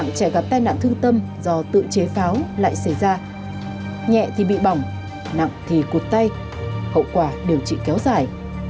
nặng thì bị bỏng nặng thì cột tay hậu quả điều trị kéo dài